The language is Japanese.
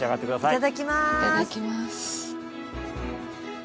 いただきます。